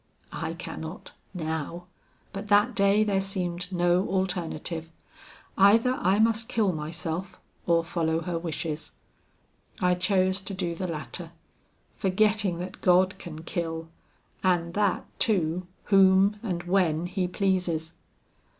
I cannot, now, but that day there seemed no alternative. Either I must kill myself or follow her wishes. I chose to do the latter, forgetting that God can kill, and that, too, whom and when He pleases.